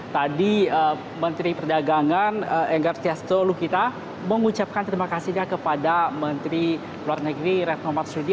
tadi menteri perdagangan enggar tiasto lukita mengucapkan terima kasihnya kepada menteri luar negeri retno marsudi